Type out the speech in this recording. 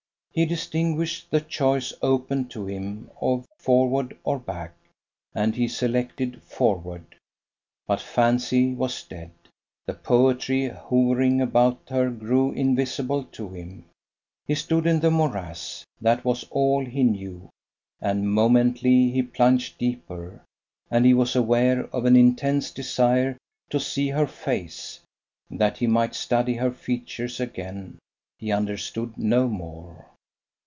He distinguished the choice open to him of forward or back, and he selected forward. But fancy was dead: the poetry hovering about her grew invisible to him: he stood in the morass; that was all he knew; and momently he plunged deeper; and he was aware of an intense desire to see her face, that he might study her features again: he understood no more.